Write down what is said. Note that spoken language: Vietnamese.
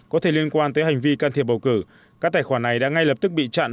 có thể liên quan tới hành vi can thiệp bầu cử các tài khoản này đã ngay lập tức bị chặn